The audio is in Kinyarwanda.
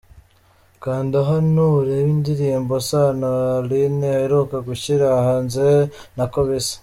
Kanda hano urebe indirimbo Sano Alyn aheruka gushyira hanze ‘Ntako Bisa’.